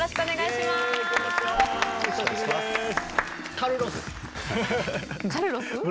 カルロス？